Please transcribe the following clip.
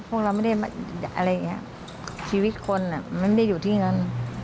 พวกเราไม่ได้อะไรอย่างเงี้ยชีวิตคนอ่ะมันไม่ได้อยู่ที่เงิน